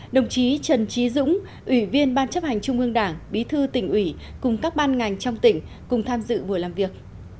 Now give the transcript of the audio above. đồng chí trần trí dũng ủy viên ban chấp hành trung ương đảng bí thư tỉnh ủy cùng các ban ngành trong tỉnh cùng tham dự buổi làm việc